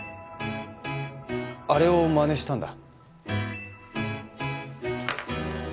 あれをまねしたんだ。